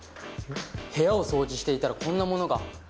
部屋を掃除していたらこんな物が。